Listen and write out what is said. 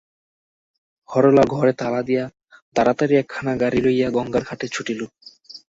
হরলাল ঘরে তালা দিয়া তাড়াতাড়ি একখানা গাড়ি লইয়া গঙ্গার ঘাটে ছুটিল।